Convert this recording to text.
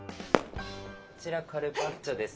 こちらカルパッチョです。